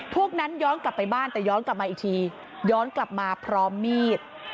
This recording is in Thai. พวกนั้นย้อนกลับไปบ้านแต่ย้อนกลับมาอีกทีย้อนกลับมาพร้อมมีด